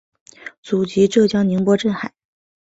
祖籍浙江宁波镇海。